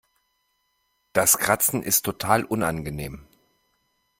Das Kratzen ist total unangenehm.